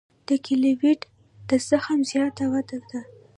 د کیلویډ د زخم زیاته وده ده.